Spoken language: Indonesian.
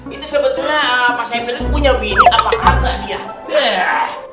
itu sebetulnya mas haipul punya bini apa kagak dia